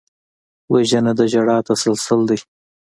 وژنه د ژړا تسلسل دی